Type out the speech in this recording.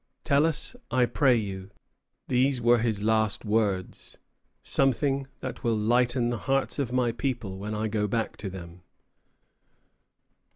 "Tell us, I pray you," these were his last words, "something that will lighten the hearts of my people when I go back to them."